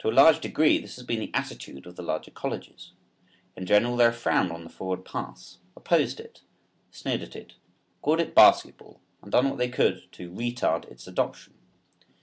To a large degree this has been the attitude of the larger colleges. In general they have frowned on the forward pass; opposed it, sneered at it, called it basketball and done what they could to retard its adoption.